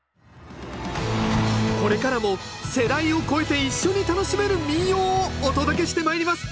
これからも世代を超えて一緒に楽しめる民謡をお届けしてまいります。